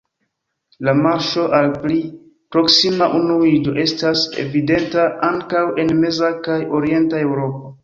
La marŝo al pli proksima unuiĝo estas evidenta ankaŭ en meza kaj orienta Eŭropo.